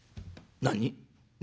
「何？